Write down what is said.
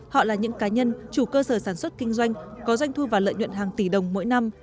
họ là những cá nhân chủ cơ sở sản xuất kinh doanh có doanh thu và lợi nhuận hàng tỷ đồng mỗi năm